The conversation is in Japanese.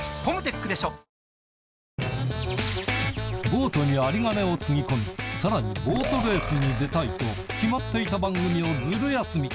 ボートに有り金をつぎ込み、さらにボートレースに出たいと、決まっていた番組をずる休み。